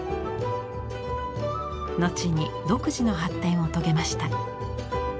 後に独自の発展を遂げました。